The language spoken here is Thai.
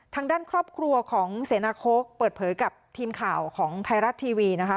ทางด้านครอบครัวของเสนาโค้กเปิดเผยกับทีมข่าวของไทยรัฐทีวีนะคะ